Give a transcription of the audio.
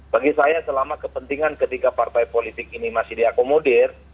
bagi saya selama kepentingan ketiga partai politik ini masih diakomodir